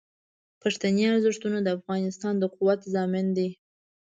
پښتني ارزښتونه د افغانستان د قوت ضامن دي.